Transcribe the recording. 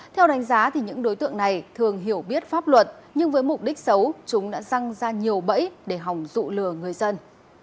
theo đánh giá những đối tượng này thường hiểu biết pháp luật nhưng với mục đích xấu chúng đã răng ra nhiều bẫy để hỏng dụ lừa người dân